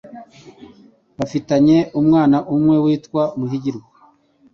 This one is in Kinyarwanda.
bafitanye umwana umwe witwa Muhigirwa,